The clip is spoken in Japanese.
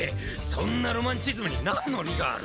そんなロマンチズムに何の利がある。